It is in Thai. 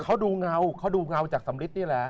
เขาดูเงาเขาดูเงาจากสำริดนี่แหละ